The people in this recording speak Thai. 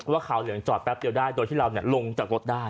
ว่าขาวเหลืองจอดแป๊บเดียวได้โดยที่เราลงจากรถได้